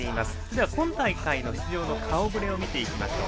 では、今大会の出場の顔ぶれを見ていきましょう。